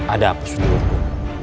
ada apa sedulurku